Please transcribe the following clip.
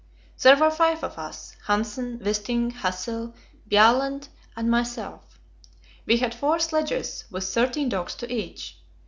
There were five of us Hanssen, Wisting, Hassel, Bjaaland, and myself. We had four sledges, with thirteen dogs to each.